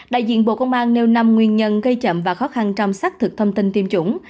đại diện bộ công an nêu năm nguyên nhân gây chậm và khó khăn trong xác thực thông tin tiêm chủng